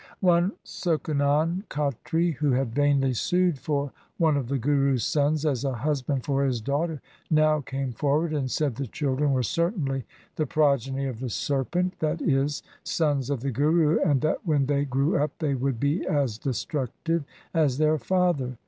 One Suchanand Khatri, who had vainly sued for one of the Guru's sons as a husband for his daughter, now came forward and said the children were cer tainly the progeny of the serpent, that is, sons of the Guru, and that when they grew up they would be as destructive as their father.